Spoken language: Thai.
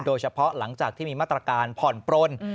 โดยเฉพาะหลังจากที่มีมาตรการผ่อนปล้นอืม